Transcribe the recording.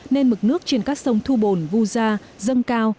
nên mực nước trên các sông thu bồn vu gia dâng cao